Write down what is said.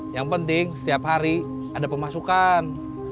yang penting setiap hari ada pemasukan